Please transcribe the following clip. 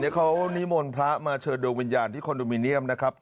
เขานิมนต์พระมาเชิญดวงวิญญาณที่คอนโดมิเนียมนะครับ